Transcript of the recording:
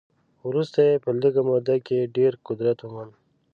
وروسته یې په لږه موده کې ډېر قدرت وموند.